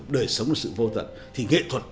đời sống là sự vô tận thì nghệ thuật